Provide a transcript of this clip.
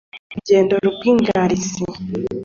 Rugondo rw'ingarisi